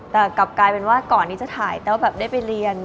แต่กลับกลายเป็นว่าก่อนที่จะถ่ายแต้วแบบได้ไปเรียน